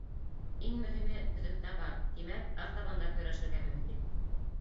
Иң мөһиме — һөҙөмтә бар, тимәк, артабан да көрәшергә мөмкин!